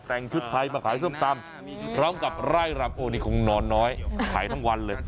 แต่งชุดไทยมาขายส้มตำพร้อมกับไล่รำโอ้นี่คงนอนน้อยขายทั้งวันเลย